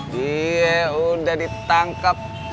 dia udah ditangkep